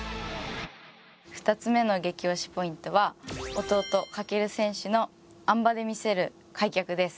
２つめの激推しポイントは弟・翔選手の鞍馬で見せる開脚です。